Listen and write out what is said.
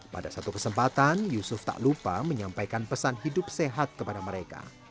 pada satu kesempatan yusuf tak lupa menyampaikan pesan hidup sehat kepada mereka